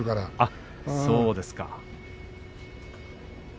そうですか。